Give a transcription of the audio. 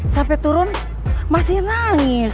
sampai turun masih nangis